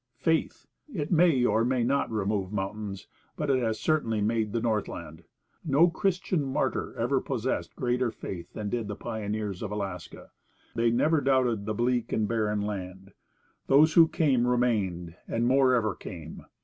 Faith! It may or may not remove mountains, but it has certainly made the Northland. No Christian martyr ever possessed greater faith than did the pioneers of Alaska. They never doubted the bleak and barren land. Those who came remained, and more ever came.